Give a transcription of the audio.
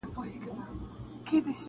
سپي ویله دا قاضي هوښیار انسان دی,